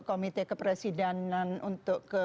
komite kepresidenan untuk